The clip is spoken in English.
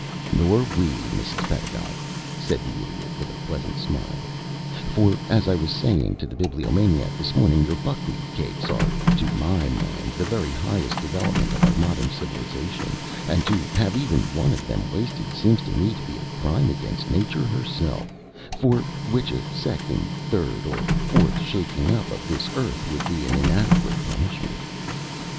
"Nor we, Mrs. Pedagog," said the Idiot, with a pleasant smile; "for, as I was saying to the Bibliomaniac this morning, your buckwheat cakes are, to my mind, the very highest development of our modern civilization, and to have even one of them wasted seems to me to be a crime against Nature herself, for which a second, third, or fourth shaking up of this earth would be an inadequate punishment."